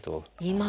今。